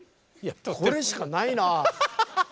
これしかないな。